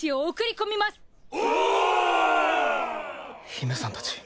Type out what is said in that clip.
姫さんたち